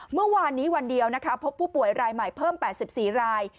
เมื่อวานนี้วันเดียวนะคะพบผู้ป่วยรายใหม่เพิ่ม๘๔ราย